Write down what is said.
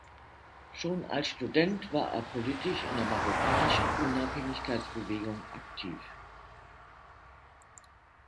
Schon als Student war er politisch in der marokkanischen Unabhängigkeitsbewegung aktiv.